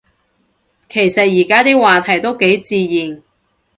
其實而家啲話題都幾自然